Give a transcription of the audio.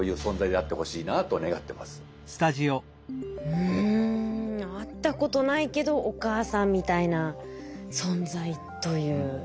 うん会ったことないけどお母さんみたいな存在という。